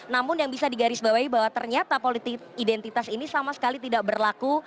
namun yang bisa digarisbawahi bahwa ternyata politik identitas ini sama sekali tidak berlaku